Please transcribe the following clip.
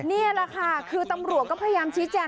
นี่แหละค่ะคือตำรวจก็พยายามชี้แจง